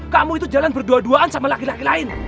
kamu itu jalan berdua duaan sama laki laki lain